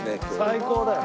最高だよ。